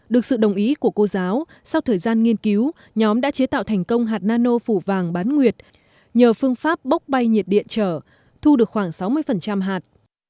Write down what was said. được sự đồng ý của cô giáo sau thời gian nghiên cứu nhóm đã chế tạo thành công hạt nano phủ vàng bán nguyệt nhờ phương pháp bốc bay nhiệt điện trở thu được khoảng sáu mươi hạt